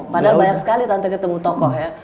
padahal banyak sekali tante ketemu tokoh ya